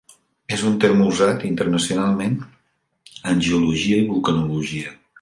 És un terme usat internacionalment en geologia i vulcanologia.